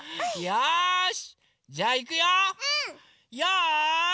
よし！